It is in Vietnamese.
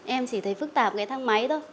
em chỉ thấy phức tạp cái thang máy thôi